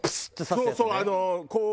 そうそう！